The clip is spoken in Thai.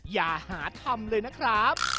อย่าหาทำเลยนะครับ